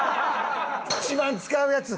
一番使うやつ。